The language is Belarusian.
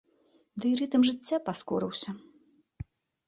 Ды і рытм жыцця паскорыўся.